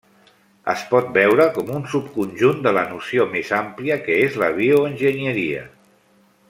Es pot veure com un subconjunt de la noció més àmplia que és la bioenginyeria.